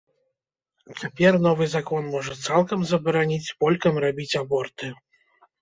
Цяпер новы закон можа цалкам забараніць полькам рабіць аборты.